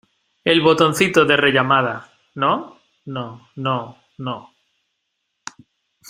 el botoncito de rellamada, ¿ no? no , no , no...